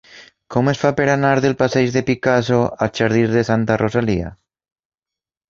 Com es fa per anar del passeig de Picasso als jardins de Santa Rosalia?